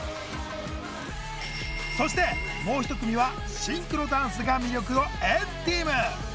そしてもう一組はシンクロダンスが魅力の＆ＴＥＡＭ！